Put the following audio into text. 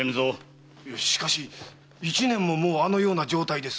しかし一年ももうあのような状態です。